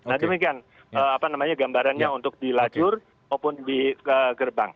nah demikian gambarannya untuk di lajur maupun di gerbang